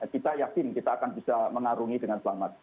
kita yakin kita akan bisa mengarungi dengan selamat